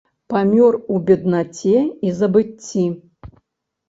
Памёр у беднаце і забыцці.